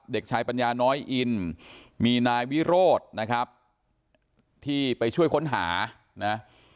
เด็กชายปัญญาน้อยอินมีนายวิโรธนะครับที่ไปช่วยค้นหานะ